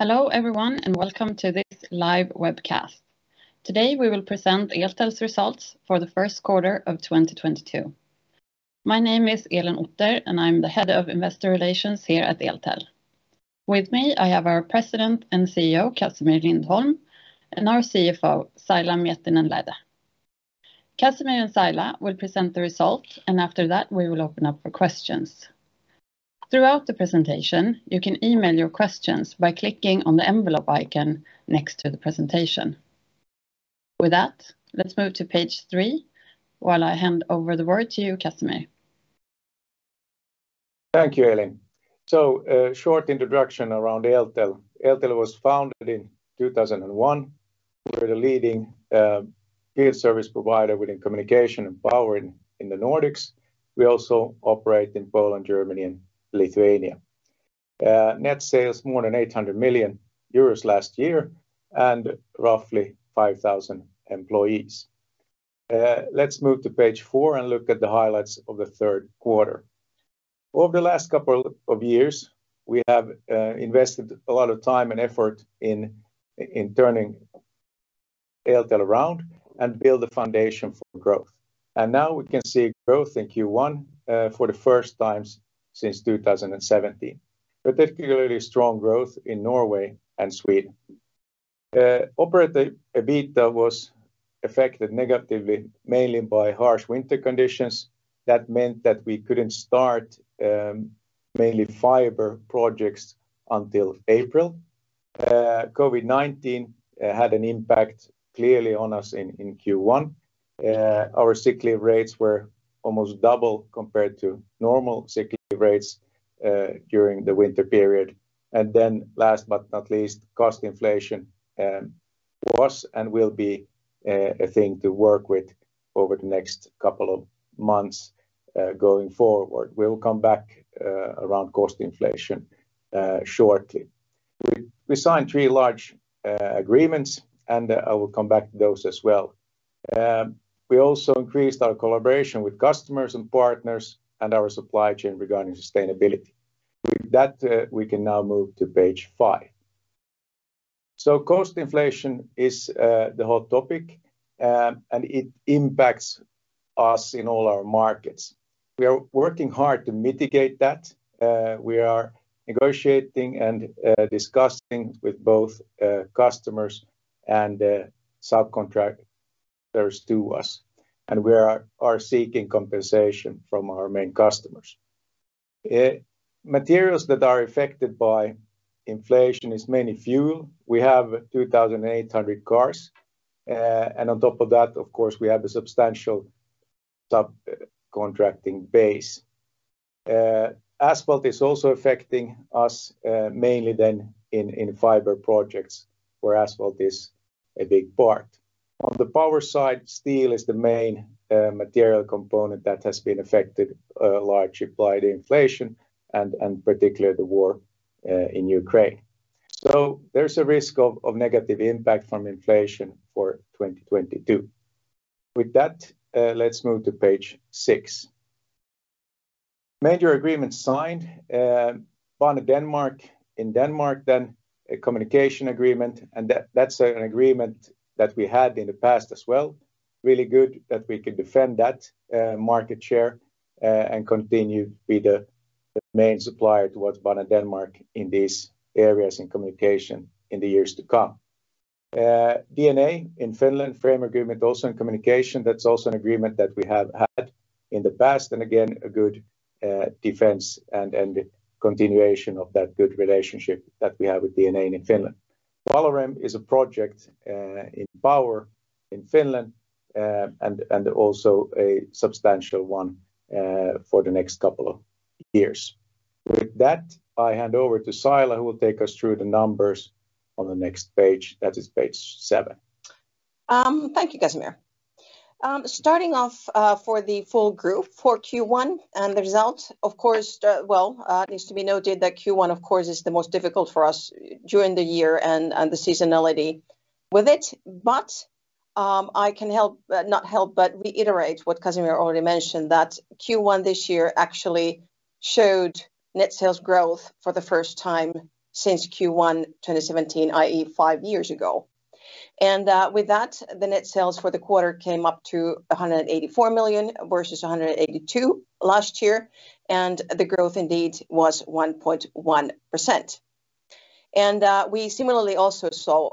Hello, everyone, and welcome to this live webcast. Today we will present Eltel's results for the first quarter of 2022. My name is Elin Otter, and I'm the head of investor relations here at Eltel. With me, I have our president and CEO, Casimir Lindholm, and our CFO, Saila Miettinen-Lähde. Casimir and Saila will present the results, and after that, we will open up for questions. Throughout the presentation, you can email your questions by clicking on the envelope icon next to the presentation. With that, let's move to page 3 while I hand over the word to you, Casimir. Thank you, Elin. A short introduction around Eltel. Eltel was founded in 2001. We're the leading field service provider within communication and power in the Nordics. We also operate in Poland, Germany, and Lithuania. Net sales more than 800 million euros last year and roughly 5,000 employees. Let's move to page 4 and look at the highlights of the third quarter. Over the last couple of years, we have invested a lot of time and effort in turning Eltel around and build a foundation for growth. Now we can see growth in Q1 for the first time since 2017, with particularly strong growth in Norway and Sweden. Operative EBITA was affected negatively mainly by harsh winter conditions that meant that we couldn't start mainly fiber projects until April. COVID-19 had an impact clearly on us in Q1. Our sick leave rates were almost double compared to normal sick leave rates during the winter period. Last but not least, cost inflation was and will be a thing to work with over the next couple of months going forward. We'll come back around cost inflation shortly. We signed 3 large agreements, and I will come back to those as well. We also increased our collaboration with customers and partners and our supply chain regarding sustainability. With that, we can now move to page 5. Cost inflation is the hot topic, and it impacts us in all our markets. We are working hard to mitigate that. We are negotiating and discussing with both customers and subcontractors to us, and we are seeking compensation from our main customers. Materials that are affected by inflation is mainly fuel. We have 2,800 cars. And on top of that, of course, we have a substantial subcontracting base. Asphalt is also affecting us, mainly then in fiber projects where asphalt is a big part. On the power side, steel is the main material component that has been affected largely by the inflation and particularly the war in Ukraine. There's a risk of negative impact from inflation for 2022. With that, let's move to page six. Major agreements signed, Banedanmark in Denmark, then a communication agreement, and that's an agreement that we had in the past as well. Really good that we could defend that market share and continue to be the main supplier towards Banedanmark in these areas in communication in the years to come. DNA in Finland, frame agreement also in communication. That's also an agreement that we have had in the past, and again, a good defense and continuation of that good relationship that we have with DNA in Finland. Valorem is a project in power in Finland and also a substantial one for the next couple of years. With that, I hand over to Saila, who will take us through the numbers on the next page. That is page seven. Thank you, Casimir. Starting off for the full group for Q1 and the results, of course, well, it needs to be noted that Q1, of course, is the most difficult for us during the year and the seasonality with it. I can not help, but reiterate what Casimir already mentioned, that Q1 this year actually showed net sales growth for the first time since Q1 2017, i.e., 5 years ago. With that, the net sales for the quarter came up to 184 million versus 182 million last year, and the growth indeed was 1.1%. We similarly also saw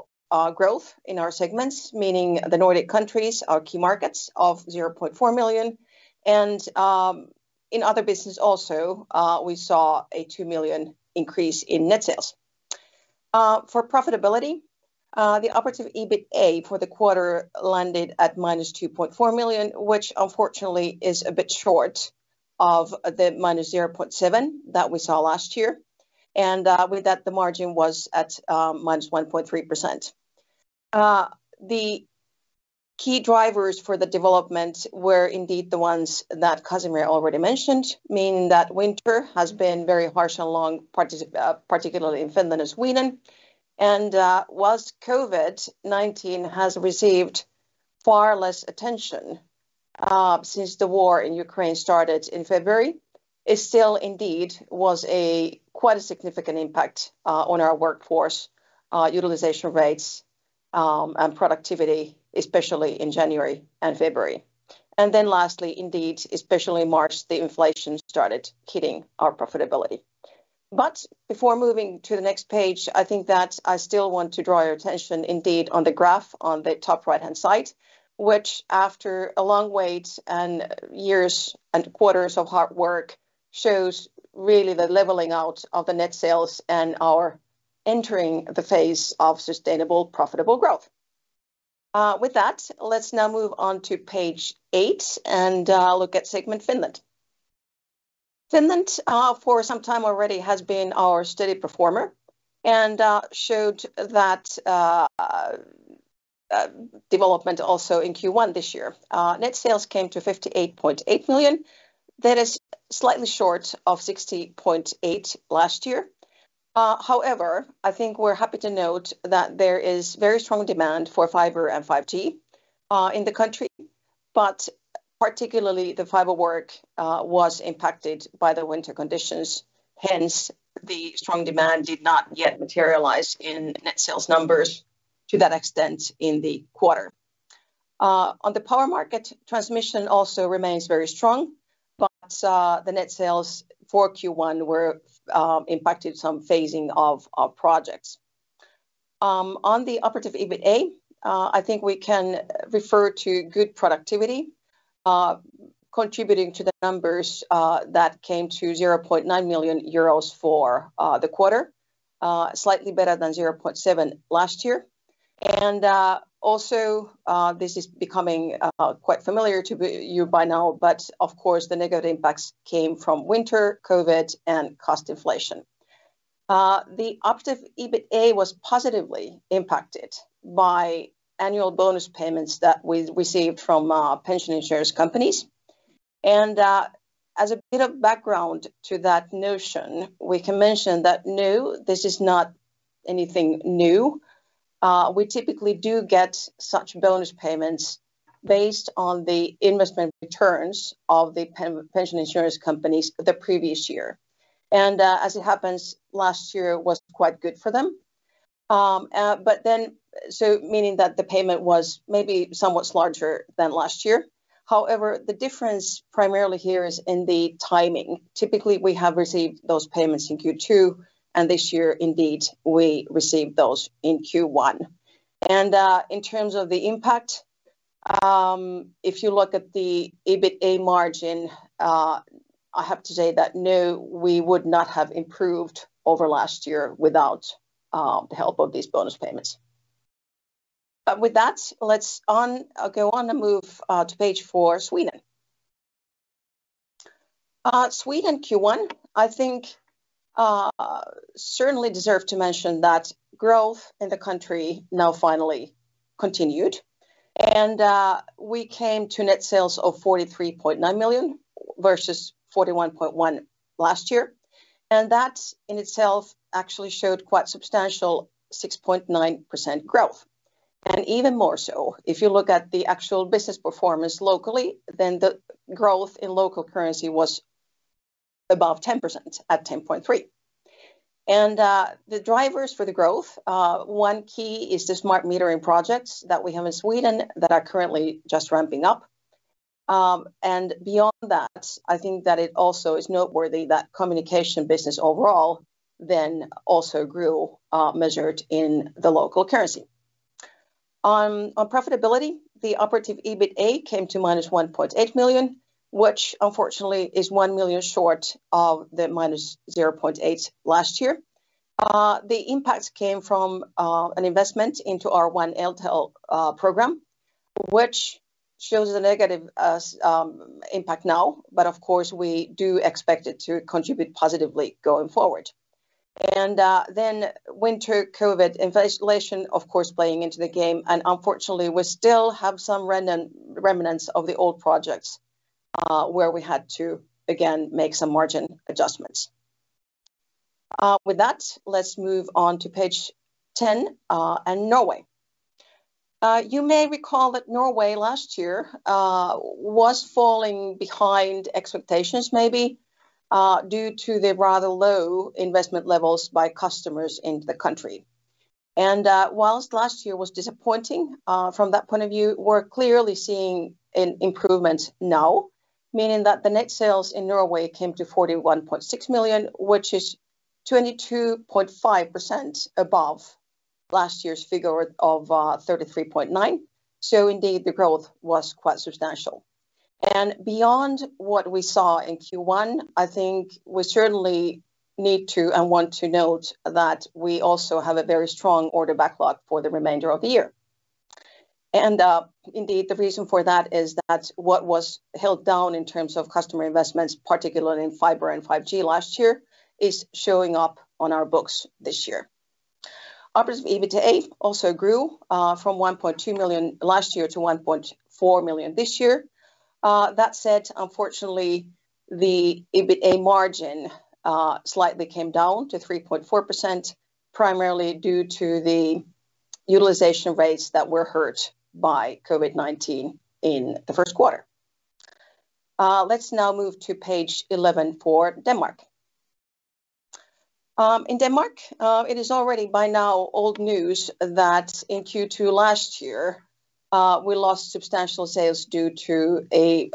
growth in our segments, meaning the Nordic countries, our key markets, of 0.4 million, and in other business also, we saw a 2 million increase in net sales. For profitability, the operative EBITA for the quarter landed at -2.4 million, which unfortunately is a bit short of the -0.7 that we saw last year. With that, the margin was at -1.3%. The key drivers for the development were indeed the ones that Casimir already mentioned, meaning that winter has been very harsh and long, particularly in Finland and Sweden. While COVID-19 has received far less attention since the war in Ukraine started in February. It still indeed was a quite a significant impact on our workforce utilization rates and productivity, especially in January and February. Then lastly, indeed, especially March, the inflation started hitting our profitability. Before moving to the next page, I think that I still want to draw your attention indeed on the graph on the top right-hand side, which after a long wait and years and quarters of hard work, shows really the leveling out of the net sales and our entering the phase of sustainable, profitable growth. With that, let's now move on to page 8 and look at segment Finland. Finland for some time already has been our steady performer and showed that development also in Q1 this year. Net sales came to 58.8 million. That is slightly short of 60.8 last year. However, I think we're happy to note that there is very strong demand for fiber and 5G in the country, but particularly the fiber work was impacted by the winter conditions, hence the strong demand did not yet materialize in net sales numbers to that extent in the quarter. On the power market, transmission also remains very strong, but the net sales for Q1 were impacted by some phasing of projects. On the operative EBITA, I think we can refer to good productivity contributing to the numbers that came to 0.9 million euros for the quarter, slightly better than 0.7 last year. Also, this is becoming quite familiar to you by now, but of course, the negative impacts came from winter, COVID, and cost inflation. The operative EBITA was positively impacted by annual bonus payments that we received from pension insurance companies. As a bit of background to that notion, we can mention that this is not anything new. We typically do get such bonus payments based on the investment returns of the pension insurance companies the previous year. As it happens, last year was quite good for them. Meaning that the payment was maybe somewhat larger than last year. However, the difference primarily here is in the timing. Typically, we have received those payments in Q2, and this year, indeed, we received those in Q1. In terms of the impact, if you look at the EBITA margin, I have to say that, no, we would not have improved over last year without the help of these bonus payments. With that, let's go on and move to page four, Sweden. Sweden Q1, I think, certainly deserve to mention that growth in the country now finally continued. We came to net sales of 43.9 million versus 41.1 million last year. That in itself actually showed quite substantial 6.9% growth. Even more so, if you look at the actual business performance locally, then the growth in local currency was above 10%, at 10.3%. The drivers for the growth, one key is the smart metering projects that we have in Sweden that are currently just ramping up. Beyond that, I think that it also is noteworthy that communication business overall then also grew, measured in the local currency. On profitability, the operative EBITA came to -1.8 million, which unfortunately is 1 million short of the -0.8 last year. The impact came from an investment into our One Eltel program, which shows a negative impact now, but of course, we do expect it to contribute positively going forward. Then winter COVID inflation, of course, playing into the game, and unfortunately, we still have some remnants of the old projects, where we had to again make some margin adjustments. With that, let's move on to page 10 and Norway. You may recall that Norway last year was falling behind expectations maybe due to the rather low investment levels by customers in the country. While last year was disappointing from that point of view, we're clearly seeing an improvement now, meaning that the net sales in Norway came to 41.6 million, which is 22.5% above last year's figure of 33.9 million. Indeed, the growth was quite substantial. Beyond what we saw in Q1, I think we certainly need to and want to note that we also have a very strong order backlog for the remainder of the year. Indeed, the reason for that is that what was held down in terms of customer investments, particularly in fiber and 5G last year, is showing up on our books this year. Operative EBITA also grew from 1.2 million last year to 1.4 million this year. That said, unfortunately the EBITA margin slightly came down to 3.4%, primarily due to the utilization rates that were hurt by COVID-19 in the first quarter. Let's now move to page 11 for Denmark. In Denmark, it is already by now old news that in Q2 last year, we lost substantial sales due to a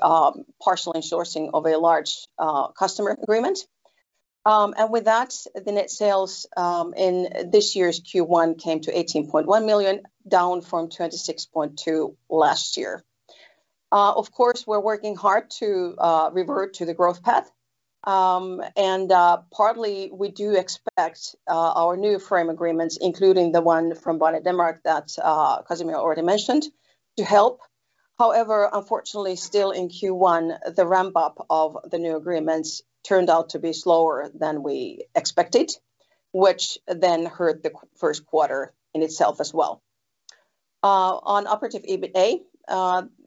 partial insourcing of a large customer agreement. With that, the net sales in this year's Q1 came to 18.1 million, down from 26.2 million last year. Of course, we're working hard to revert to the growth path. Partly we do expect our new frame agreements, including the one from Banedanmark that Casimir already mentioned, to help. However, unfortunately, still in Q1, the ramp-up of the new agreements turned out to be slower than we expected, which then hurt the first quarter in itself as well. On operative EBITA,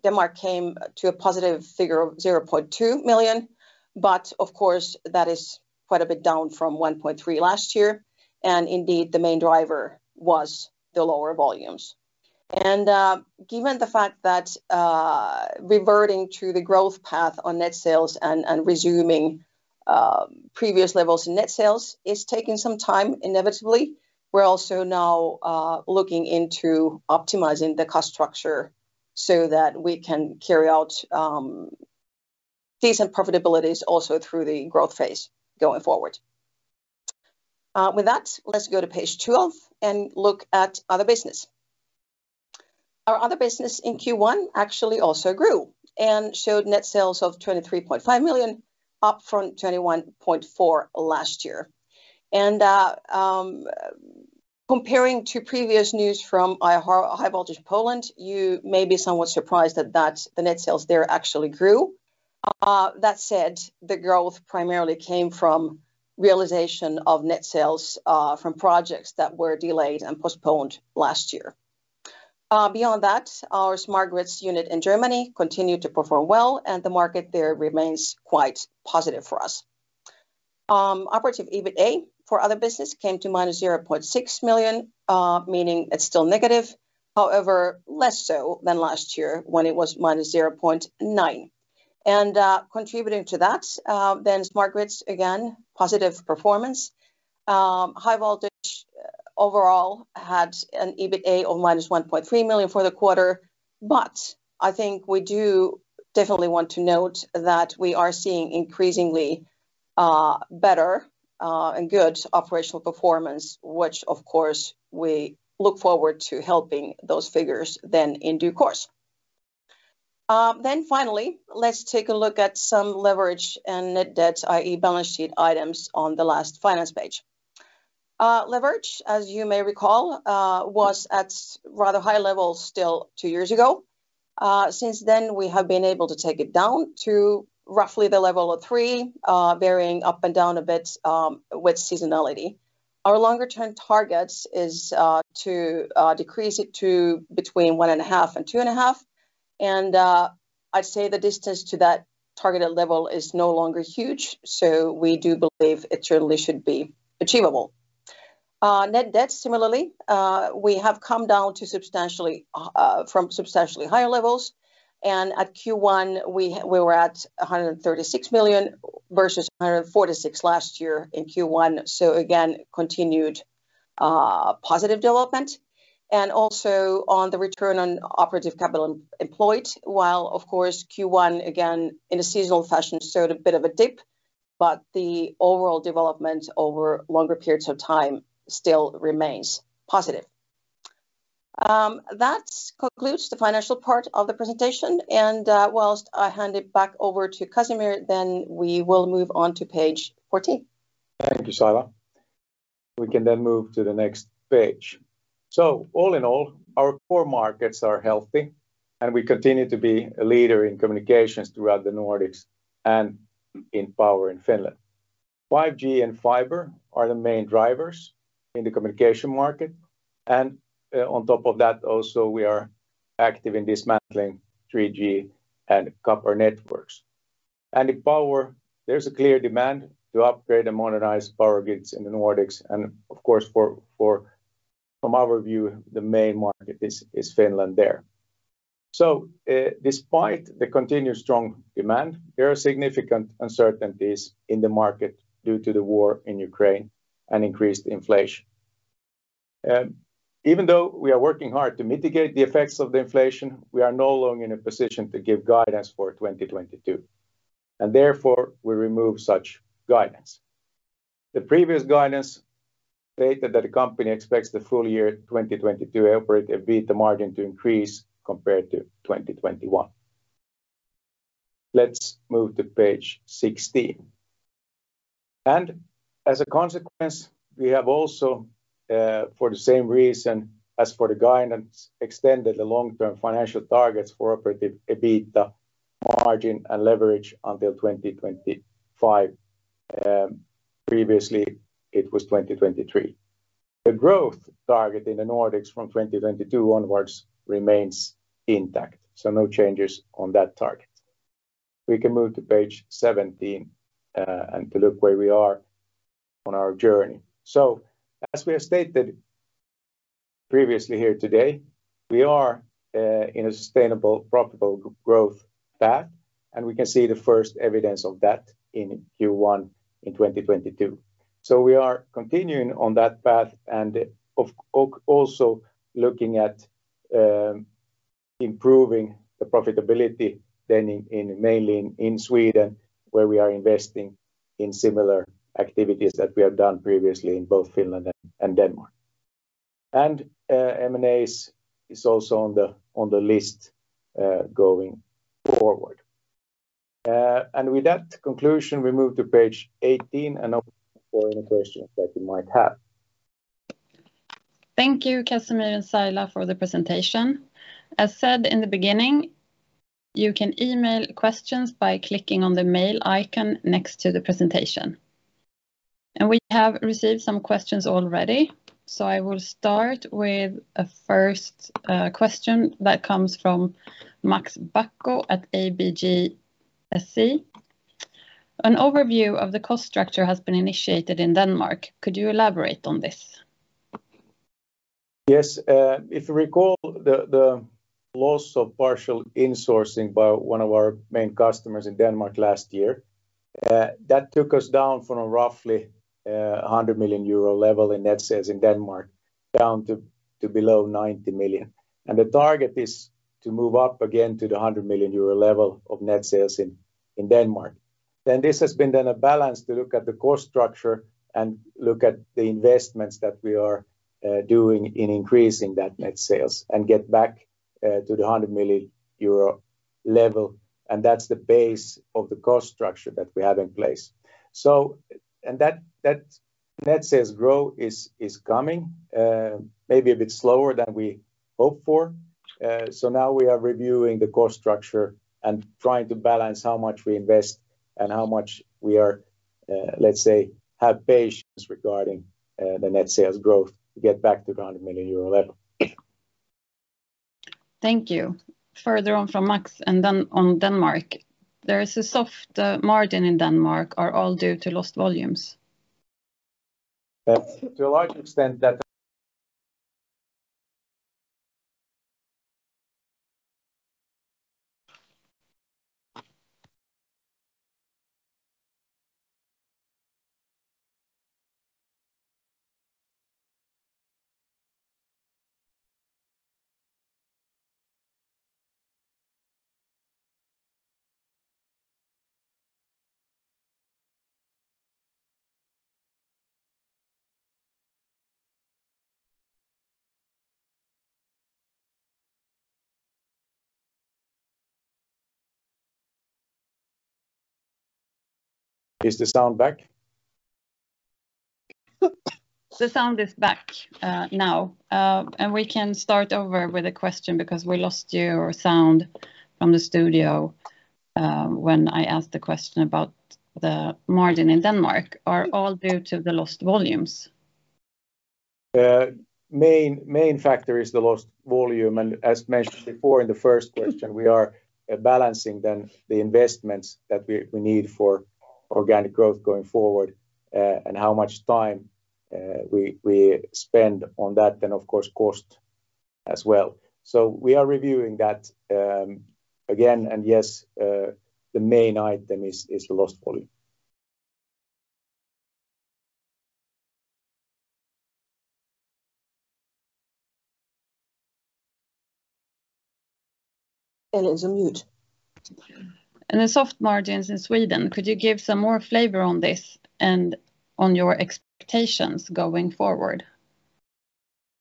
Denmark came to a positive figure of 0.2 million, but of course, that is quite a bit down from 1.3 million last year, and indeed, the main driver was the lower volumes. Given the fact that reverting to the growth path on net sales and resuming previous levels in net sales is taking some time inevitably, we're also now looking into optimizing the cost structure so that we can carry out decent profitabilities also through the growth phase going forward. With that, let's go to page 12 and look at other business. Our other business in Q1 actually also grew and showed net sales of 23.5 million, up from 21.4 million last year. Comparing to previous news from our High Voltage Poland, you may be somewhat surprised that the net sales there actually grew. That said, the growth primarily came from realization of net sales from projects that were delayed and postponed last year. Beyond that, our Smart Grids unit in Germany continued to perform well, and the market there remains quite positive for us. Operative EBITA for other business came to -0.6 million, meaning it's still negative, however, less so than last year when it was -0.9 million. Contributing to that, then Smart Grids, again, positive performance. High Voltage overall had an EBITA of -1.3 million for the quarter, but I think we do definitely want to note that we are seeing increasingly better and good operational performance, which of course, we look forward to helping those figures then in due course. Finally, let's take a look at some leverage and net debts, i.e., balance sheet items on the last finance page. Leverage, as you may recall, was at rather high levels still two years ago. Since then, we have been able to take it down to roughly the level of 3, varying up and down a bit, with seasonality. Our longer-term targets is to decrease it to between 1.5 and 2.5, and I'd say the distance to that targeted level is no longer huge, so we do believe it surely should be achievable. Net debt similarly, we have come down substantially from substantially higher levels, and at Q1, we were at 136 million versus 146 million last year in Q1. Again, continued positive development. Also on the return on operative capital employed, while of course, Q1 again, in a seasonal fashion, showed a bit of a dip, but the overall development over longer periods of time still remains positive. That concludes the financial part of the presentation, and, while I hand it back over to Casimir, then we will move on to page 14. Thank you, Saila. We can then move to the next page. All in all, our core markets are healthy, and we continue to be a leader in communications throughout the Nordics and in power in Finland. 5G and fiber are the main drivers in the communication market. On top of that also, we are active in dismantling 3G and copper networks. In power, there's a clear demand to upgrade and modernize power grids in the Nordics, and of course, from our view, the main market is Finland there. Despite the continued strong demand, there are significant uncertainties in the market due to the war in Ukraine and increased inflation. Even though we are working hard to mitigate the effects of the inflation, we are no longer in a position to give guidance for 2022, and therefore, we remove such guidance. The previous guidance stated that the company expects the full year 2022 operative EBITA margin to increase compared to 2021. Let's move to page 16. As a consequence, we have also, for the same reason as for the guidance, extended the long-term financial targets for operative EBITA margin and leverage until 2025. Previously it was 2023. The growth target in the Nordics from 2022 onwards remains intact, so no changes on that target. We can move to page 17 and to look where we are on our journey. As we have stated previously here today, we are in a sustainable profitable growth path, and we can see the first evidence of that in Q1 in 2022. We are continuing on that path and of course, also looking at improving the profitability mainly in Sweden, where we are investing in similar activities that we have done previously in both Finland and Denmark. M&As is also on the list going forward. With that conclusion, we move to page 18 and open for any questions that you might have. Thank you, Casimir and Saila, for the presentation. As said in the beginning, you can email questions by clicking on the mail icon next to the presentation. We have received some questions already, so I will start with a first question that comes from Max Backe at ABGSC. An overview of the cost structure has been initiated in Denmark. Could you elaborate on this? Yes. If you recall, the loss of partial insourcing by one of our main customers in Denmark last year, that took us down from roughly a 100 million euro level in net sales in Denmark down to below 90 million. The target is to move up again to the 100 million euro level of net sales in Denmark. This has been a balance to look at the cost structure and look at the investments that we are doing in increasing that net sales and get back to the 100 million euro level, and that's the base of the cost structure that we have in place. That net sales growth is coming, maybe a bit slower than we hoped for. Now we are reviewing the cost structure and trying to balance how much we invest and how much we are, let's say, have patience regarding the net sales growth to get back to the 100 million euro level. Thank you. Further on from Max, and then on Denmark. There is a soft margin in Denmark, all due to lost volumes. Is the sound back? The sound is back, now. We can start over with the question because we lost your sound from the studio, when I asked the question about the margin in Denmark. Are all due to the lost volumes. The main factor is the lost volume, and as mentioned before in the first question, we are balancing then the investments that we need for organic growth going forward, and how much time we spend on that, then of course cost as well. We are reviewing that, again, and yes, the main item is lost volume. It's on mute. The soft margins in Sweden, could you give some more flavor on this and on your expectations going forward?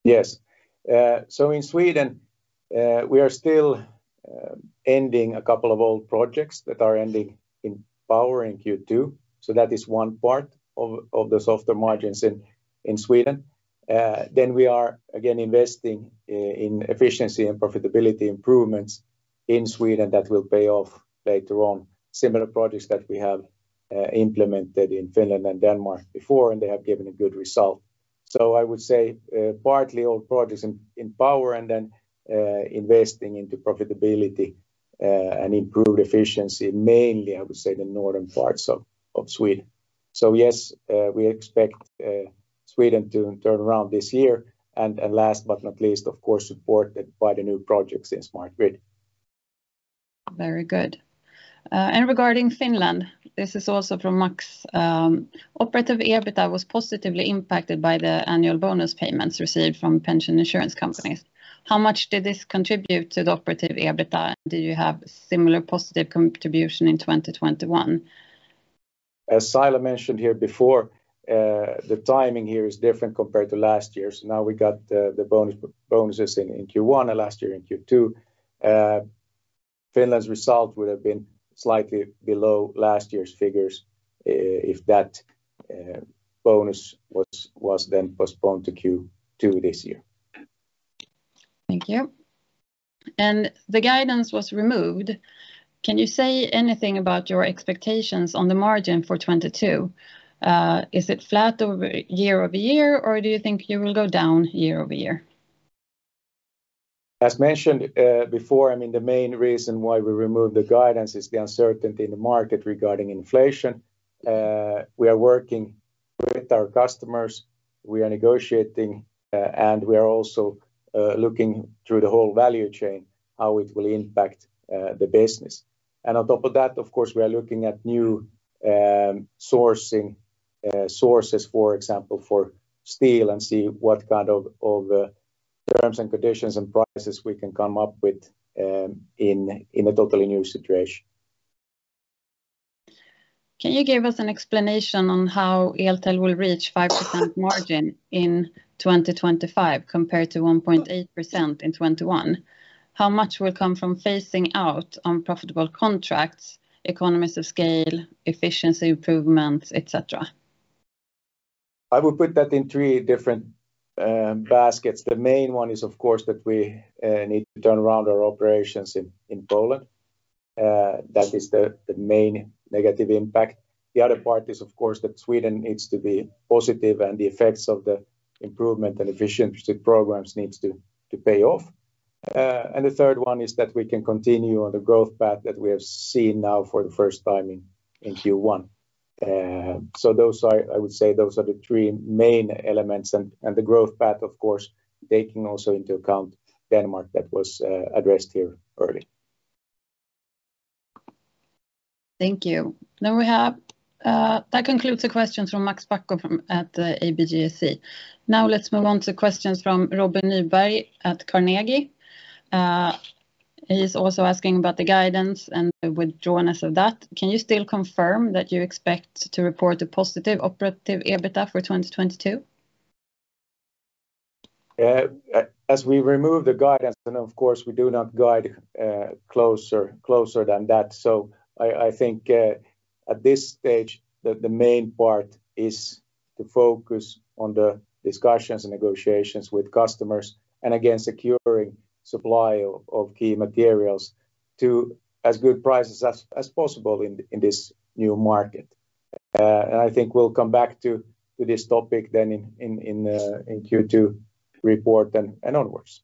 Yes. So in Sweden, we are still ending a couple of old projects that are ending in Power in Q2, so that is one part of the softer margins in Sweden. We are again investing in efficiency and profitability improvements in Sweden that will pay off later on, similar projects that we have implemented in Finland and Denmark before, and they have given a good result. I would say partly old projects in Power and then investing into profitability and improved efficiency, mainly, I would say, the northern parts of Sweden. Yes, we expect Sweden to turn around this year. Last but not least, of course, supported by the new projects in Smart Grid. Very good. Regarding Finland, this is also from Max. Operative EBITDA was positively impacted by the annual bonus payments received from pension insurance companies. How much did this contribute to the operative EBITDA? Do you have similar positive contribution in 2021? As Saila mentioned here before, the timing here is different compared to last year's. Now we got the bonuses in Q1 and last year in Q2. Finland's result would have been slightly below last year's figures if that bonus was then postponed to Q2 this year. Thank you. The guidance was removed. Can you say anything about your expectations on the margin for 2022? Is it flat year over year, or do you think you will go down year over year? As mentioned before, I mean, the main reason why we removed the guidance is the uncertainty in the market regarding inflation. We are working with our customers, we are negotiating, and we are also looking through the whole value chain how it will impact the business. On top of that, of course, we are looking at new sourcing sources, for example, for steel and see what kind of terms and conditions and prices we can come up with in a totally new situation. Can you give us an explanation on how Eltel will reach 5% margin in 2025 compared to 1.8% in 2021? How much will come from phasing out unprofitable contracts, economies of scale, efficiency improvements, et cetera? I will put that in three different baskets. The main one is, of course, that we need to turn around our operations in Poland. That is the main negative impact. The other part is, of course, that Sweden needs to be positive, and the effects of the improvement and efficiency programs needs to pay off. The third one is that we can continue on the growth path that we have seen now for the first time in Q1. Those are the three main elements, I would say. The growth path, of course, taking also into account Denmark that was addressed here earlier. Thank you. That concludes the questions from Max Backe at ABG Sundal Collier. Now let's move on to questions from Robin Nyberg at Carnegie. He's also asking about the guidance and the withdrawal of that. Can you still confirm that you expect to report a positive operative EBITA for 2022? As we remove the guidance, then of course we do not guide closer than that. I think at this stage the main part is to focus on the discussions and negotiations with customers and again, securing supply of key materials to as good prices as possible in this new market. I think we'll come back to this topic then in Q2 report and onwards.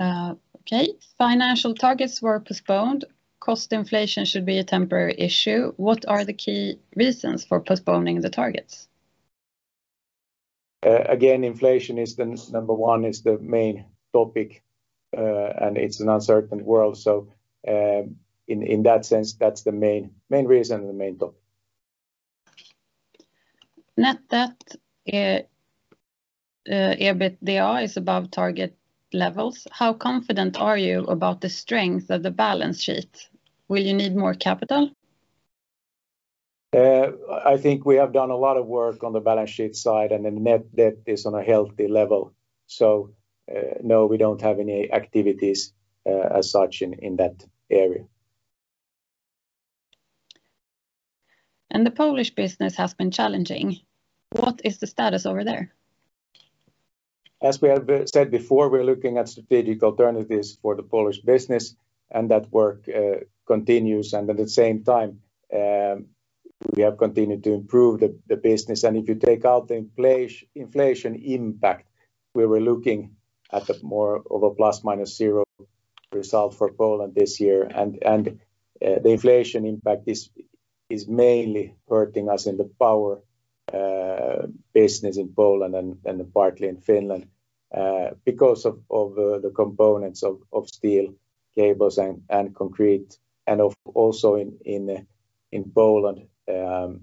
Okay. Financial targets were postponed. Cost inflation should be a temporary issue. What are the key reasons for postponing the targets? Again, inflation is the number one, is the main topic. It's an uncertain world. In that sense, that's the main reason and the main topic. Net debt, EBITA is above target levels. How confident are you about the strength of the balance sheet? Will you need more capital? I think we have done a lot of work on the balance sheet side, and the net debt is on a healthy level. No, we don't have any activities, as such in that area. The Polish business has been challenging. What is the status over there? As we have said before, we're looking at strategic alternatives for the Polish business, and that work continues. At the same time, we have continued to improve the business. If you take out the inflation impact, we were looking at more of a plus minus zero result for Poland this year. The inflation impact is mainly hurting us in the power business in Poland and partly in Finland because of the components of steel, cables and concrete, and also in Poland, the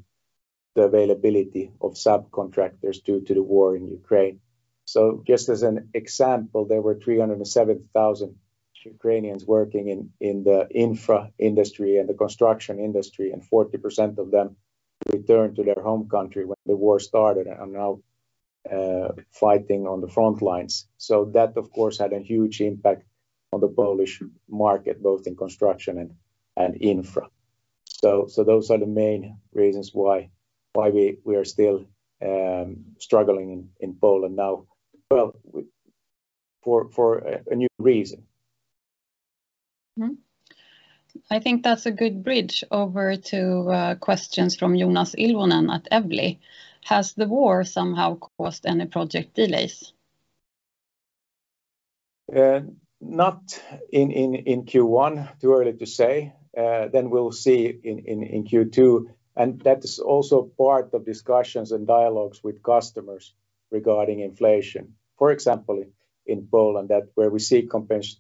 availability of subcontractors due to the war in Ukraine. Just as an example, there were 307,000 Ukrainians working in the infra industry and the construction industry, and 40% of them returned to their home country when the war started and are now fighting on the front lines. That of course had a huge impact on the Polish market, both in construction and infra. Those are the main reasons why we are still struggling in Poland now. Well, for a new reason. I think that's a good bridge over to questions from Joonas Ilvonen at Evli. Has the war somehow caused any project delays? Not in Q1. Too early to say. We'll see in Q2. That is also part of discussions and dialogues with customers regarding inflation. For example, in Poland, that's where we seek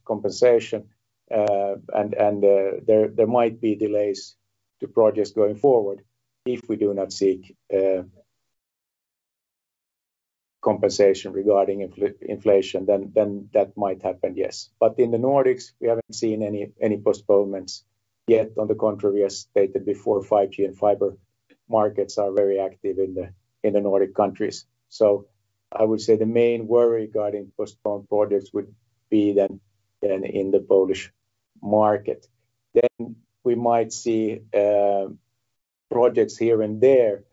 compensation, and there might be delays to projects going forward if we do not seek compensation regarding inflation, then that might happen, yes. But in the Nordics, we haven't seen any postponements yet. On the contrary, as stated before, 5G and fiber markets are very active in the Nordic countries. I would say the main worry regarding postponed projects would be in the Polish market. We might see projects here and there,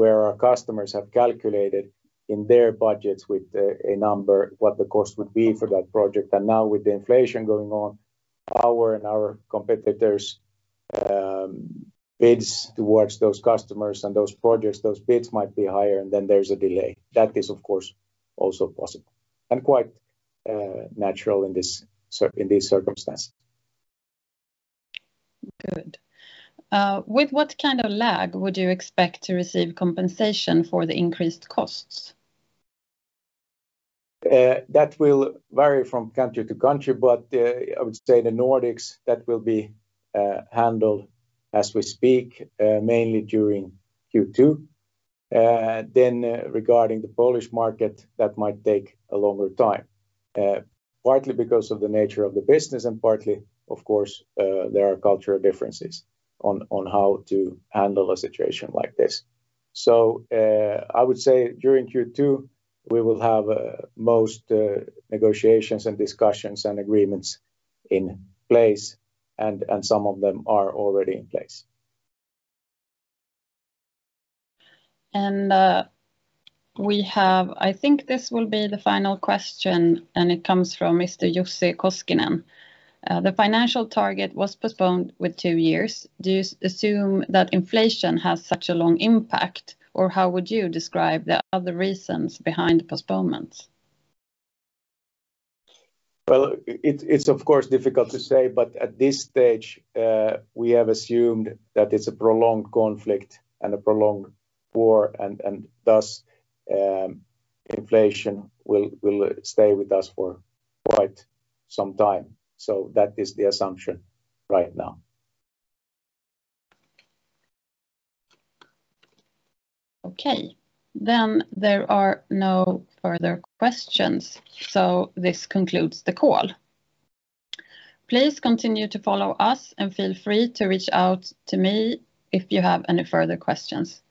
where our customers have calculated in their budgets with a number what the cost would be for that project. Now with the inflation going on, our competitors' bids towards those customers and those projects, those bids might be higher, and then there's a delay. That is, of course, also possible and quite natural in these circumstances. Good. With what kind of lag would you expect to receive compensation for the increased costs? That will vary from country to country, but I would say the Nordics, that will be handled as we speak, mainly during Q2. Regarding the Polish market, that might take a longer time, partly because of the nature of the business, and partly, of course, there are cultural differences on how to handle a situation like this. I would say during Q2, we will have most negotiations and discussions and agreements in place and some of them are already in place. I think this will be the final question, and it comes from Mr. Jussi Koskinen. The financial target was postponed with two years. Do you assume that inflation has such a long impact, or how would you describe the other reasons behind postponements? Well, it's of course difficult to say, but at this stage, we have assumed that it's a prolonged conflict and a prolonged war and thus, inflation will stay with us for quite some time. That is the assumption right now. Okay. There are no further questions, so this concludes the call. Please continue to follow us and feel free to reach out to me if you have any further questions.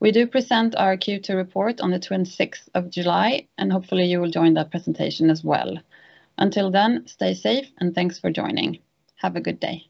We do present our Q2 report on the twenty-sixth of July, and hopefully you will join that presentation as well. Until then, stay safe and thanks for joining. Have a good day.